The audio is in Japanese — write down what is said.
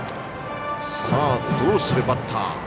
どうするバッター。